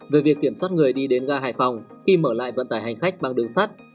về việc kiểm soát người đi đến ga hải phòng khi mở lại vận tải hành khách bằng đường sắt